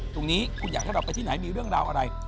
ตรงนี้คุณอยากให้เราไปที่ไหนมีเรื่องราวอะไร